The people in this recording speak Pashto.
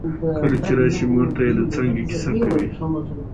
کله چې راشې مور ته يې د څانګې کیسه کوي